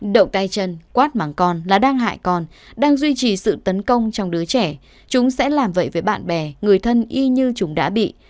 đậu tay chân quát màng con là đang hại còn đang duy trì sự tấn công trong đứa trẻ chúng sẽ làm vậy với bạn bè người thân y như chúng đã bị